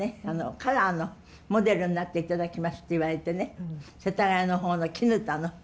カラーのモデルになって頂きますって言われてね世田谷の方の砧の。